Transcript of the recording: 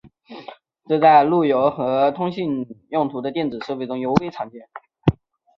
这在路由和通信用途的电子设备中尤为常见。